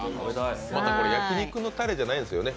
また、これ焼き肉のたれじゃないんですよね。